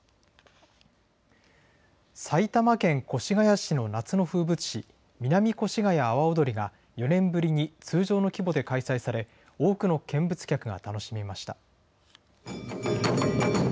埼玉県越谷市の夏の風物詩、南越谷阿波踊りが４年ぶりに通常の規模で開催され、多くの見物客が楽しみました。